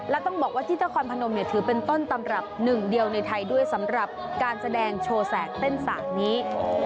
และต้องบอกว่าที่นครพนมเนี่ยถือเป็นต้นตำรับหนึ่งเดียวในไทยด้วยสำหรับการแสดงโชว์แสกเต้นสากนี้